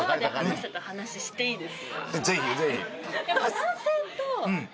ぜひぜひ。